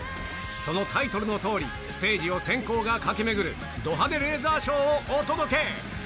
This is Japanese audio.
そのタイトルのとおり、ステージを閃光が駆け巡るド派手レーザーショーをお届け。